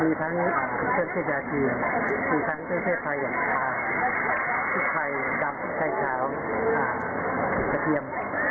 มีทั้งเชิญเชฟจาชีมมีทั้งเชฟไทยอย่างทุกทรายดำไชขาวเสรียม